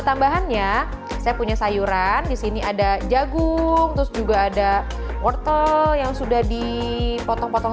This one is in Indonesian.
tambahannya saya punya sayuran disini ada jagung terus juga ada wortel yang sudah dipotong potong